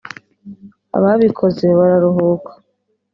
ababikoze bararuhuka